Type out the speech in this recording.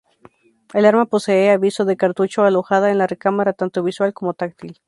El arma posee aviso de cartucho alojada en la recámara, tanto visual como táctil.